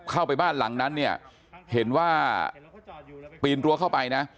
เข้าไปบ้านหลังนั้นเนี่ยเห็นว่าปีนรั้วเข้าไปนะ